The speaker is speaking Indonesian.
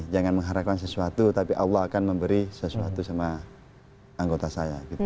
jangan mengharapkan sesuatu tapi allah akan memberi sesuatu sama anggota saya